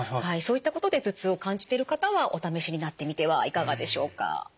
はいそういったことで頭痛を感じてる方はお試しになってみてはいかがでしょうか？